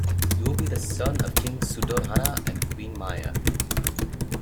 You will be the son of King Suddhodana and Queen Maya.